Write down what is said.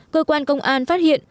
cơ quan công an phát hiện